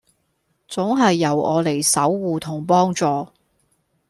總係由我嚟守護同幫助